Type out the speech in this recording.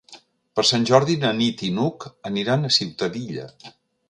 Per Sant Jordi na Nit i n'Hug aniran a Ciutadilla.